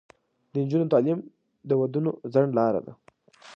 د نجونو تعلیم د ودونو ځنډ لاره ده.